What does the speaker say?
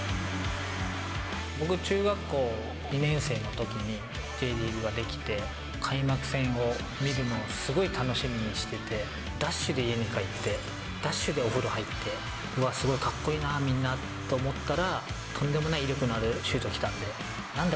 僕、中学校２年生のときに、Ｊリーグが出来て、開幕戦を見るのをすごい楽しみにしてて、ダッシュで家に帰って、ダッシュでお風呂入って、うわ、すごい、かっこいいな、みんなと思ったら、とんでもない威力のあるシュートきたんで、なんだ！